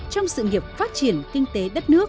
trong sự nghiệp phát triển kinh tế